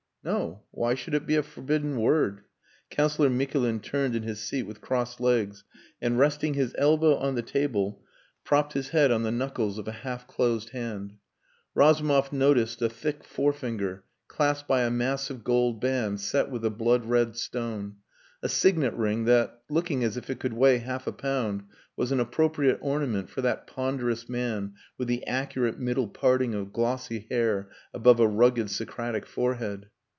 "No. Why should it be a forbidden word?" Councillor Mikulin turned in his seat with crossed legs and resting his elbow on the table propped his head on the knuckles of a half closed hand. Razumov noticed a thick forefinger clasped by a massive gold band set with a blood red stone a signet ring that, looking as if it could weigh half a pound, was an appropriate ornament for that ponderous man with the accurate middle parting of glossy hair above a rugged Socratic forehead.